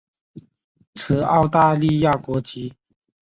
持澳大利亚国籍。